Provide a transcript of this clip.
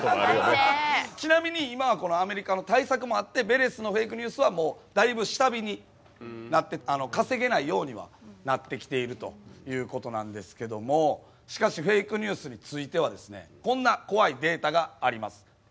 ちなみに今はアメリカの対策もあってヴェレスのフェイクニュースはだいぶ下火になって稼げないようにはなってきているということなんですけどもしかしフェイクニュースについてはこんな怖いデータがあります。